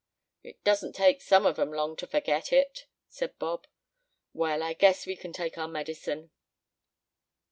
"It doesn't take some of 'em long to forget it," said Bob. "Well, I guess we can take our medicine."